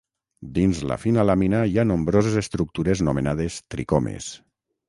Dins la fina làmina hi ha nombroses estructures nomenades tricomes.